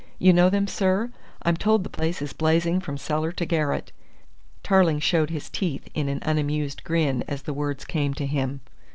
You know them, sir? I'm told the place is blazing from cellar to garret." Tarling showed his teeth in an unamused grin as the words came to him.